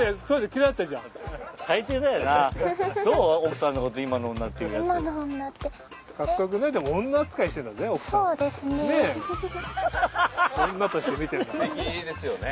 そうですね。